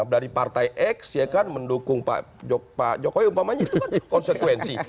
dari partai x ya kan mendukung pak jokowi umpamanya itu kan konsekuensi